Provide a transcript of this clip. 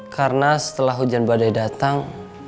karena setelah hujan badai datang